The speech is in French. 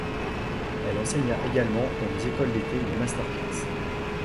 Elle enseigna également dans des écoles d'été et des master-class.